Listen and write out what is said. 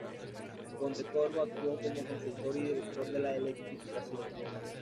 Pontecorvo actuó como consultor y director de la electrificación.